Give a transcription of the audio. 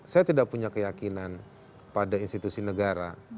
saya tidak punya keyakinan pada institusi negara